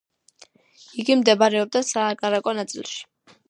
იგი მდებარეობდა სააგარაკო ნაწილში.